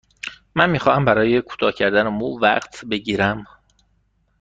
من می خواهم برای کوتاه کردن مو وقت بگیرم.